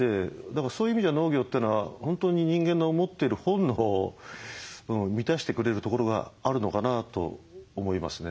そういう意味じゃ農業ってのは本当に人間の持っている本能を満たしてくれるところがあるのかなと思いますね。